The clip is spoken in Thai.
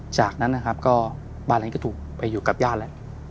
จากนั้นนะครับก็บ้านนั้นก็ถูกไปอยู่กับญาติแล้ว